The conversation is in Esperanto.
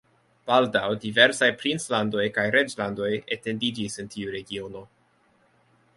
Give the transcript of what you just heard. Baldaŭ diversaj princlandoj kaj reĝlandoj etendiĝis en tiu regiono.